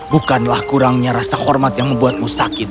bukanlah kurangnya rasa hormat yang membuatmu sakit